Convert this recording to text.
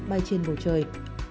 bay trên bầu trời